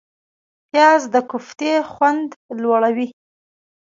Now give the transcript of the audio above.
پیاز د کوفتې خوند لوړوي